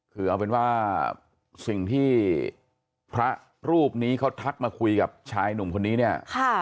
คือเอาเป็นว่าสิ่งที่พระรูปนี้เขาทักมาคุยกับชายหนุ่มคนนี้เนี่ย